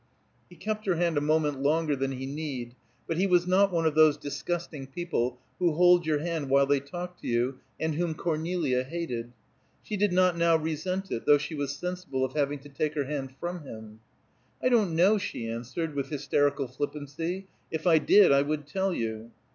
He kept her hand a moment longer than he need; but he was not one of those disgusting people who hold your hand while they talk to you, and whom Cornelia hated. She did not now resent it, though she was sensible of having to take her hand from him. "I don't know," she answered, with hysterical flippancy. "If I did I would tell you."